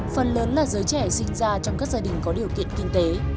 phần lớn là giới trẻ sinh ra trong các gia đình có điều kiện kinh tế